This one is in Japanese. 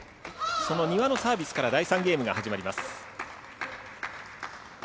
その丹羽のサービスから第３ゲームが始まります。